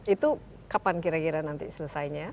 itu kapan kira kira nanti selesainya